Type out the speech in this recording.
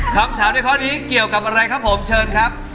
ครับถามได้พอดีเกี่ยวกับอะไรครับชินครับ